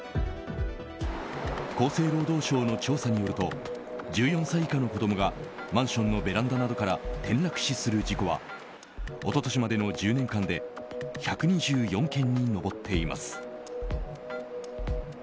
厚生労働省の調査によると１４歳以下の子供がマンションのベランダなどから転落死する事故は一昨年までの１０年間で１２４件に上っています。